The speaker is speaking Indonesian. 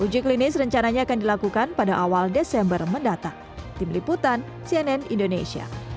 uji klinis rencananya akan dilakukan pada awal desember mendatang